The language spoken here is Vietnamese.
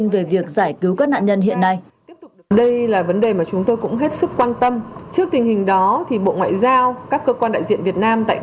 về sạt lở như úng lụt